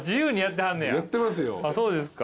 そうですか。